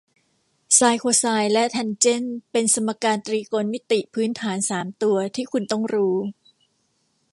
ไซน์โคไซน์และแทนเจนต์เป็นสมการตรีโกณมิติพื้นฐานสามตัวที่คุณต้องรู้